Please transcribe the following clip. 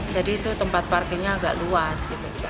jadi itu tempat parkirnya agak luas